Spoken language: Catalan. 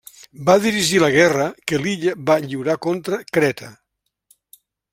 Va dirigir la guerra que l'illa va lliurar contra Creta.